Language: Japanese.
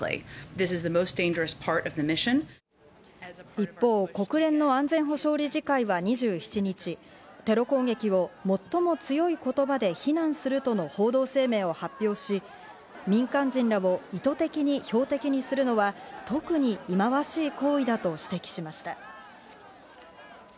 一方、国連の安全保障理事会は２７日、テロ攻撃を最も強い言葉で非難するとの報道声明を発表し、民間人らを意図的に標的にするのは特に忌まわしい行為だと指摘しました。